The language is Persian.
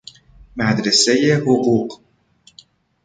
مدرسۀ حقوق